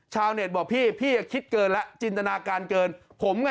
ชาวเน็ตบอกพี่พี่คิดเกินแล้วจินตนาการเกินผมไง